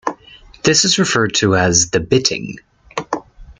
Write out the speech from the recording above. This is referred to as the bitting.